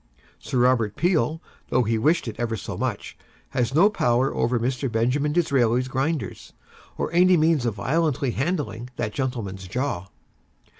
Sir Robert Peel, though he wished it ever so much, has no power over Mr. Benjamin Disraeli's grinders, or any means of violently handling that gentleman's jaw.